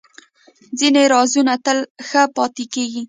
ځینې رازونه تل ښخ پاتې کېږي.